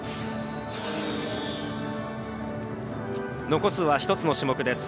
残すは１つの種目です。